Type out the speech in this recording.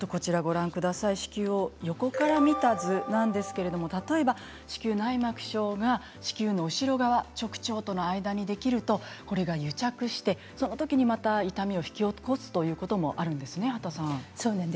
子宮を横から見た図なんですけれど例えば子宮内膜症が子宮の後ろ側直腸との間にできるとこれが癒着して、そのときにまた痛みを引き起こすということもあるんですよね？